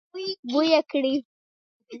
بوی يې کړی.